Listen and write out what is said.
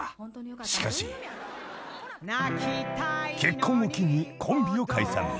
［しかし］［結婚を機にコンビを解散］